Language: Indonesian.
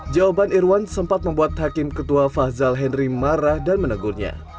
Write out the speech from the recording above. jawaban irwan sempat membuat hakim ketua fazal henry marah dan menegurnya